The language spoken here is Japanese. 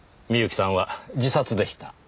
美由紀さんは自殺でした。